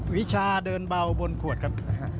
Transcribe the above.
วิชาเดินเบาบนขวดครับ